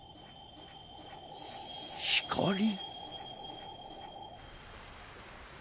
ひかり？